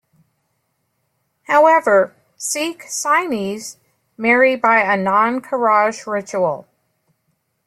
However, Sikh Sainis marry by Anand Karaj ritual.